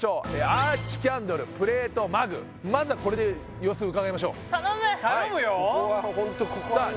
アーチキャンドルプレートマグまずはこれで様子うかがいましょう頼む頼むよさあ